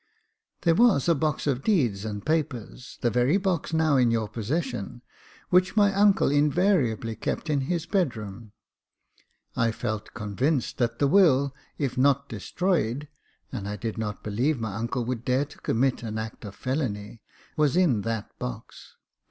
There was a box of deeds and papers, the very box now in your possession, which my uncle invariably kept in his bedroom. I felt convinced that the will, if not destroyed (and I did not believe my uncle would dare to commit an act of felony), was in that box.